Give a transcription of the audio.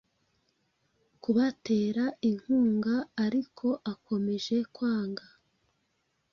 kubatera inkungaariko akomeje kwanga